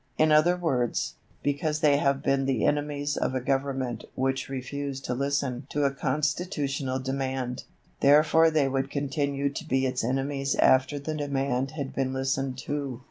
In other words, because they have been the enemies of a Government which refused to listen to a constitutional demand, therefore they would continue to be its enemies after the demand had been listened to.